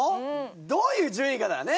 どういう順位かだよね！